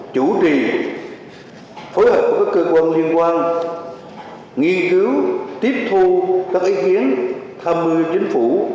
chủ trì phối hợp với các cơ quan liên quan nghiên cứu tiếp thu các ý kiến tham mưu chính phủ